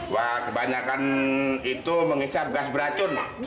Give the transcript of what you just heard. wah kebanyakan itu mengisap gas beracun